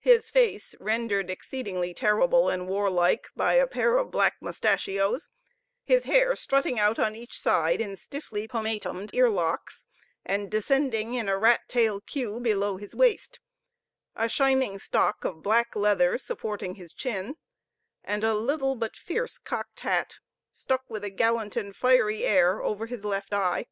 His face, rendered exceeding terrible and warlike by a pair of black mustachios; his hair strutting out on each side in stiffly pomatumed ear locks, and descending in a rat tail queue below his waist; a shining stock of black leather supporting his chin, and a little but fierce cocked hat, stuck with a gallant and fiery air over his left eye.